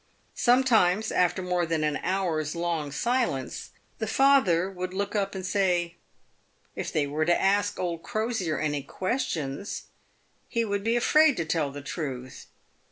Some times, after more than an hour's long silence, the father would look up and say, " If they were to ask old Crosier any questions he would be afraid to tell the truth.''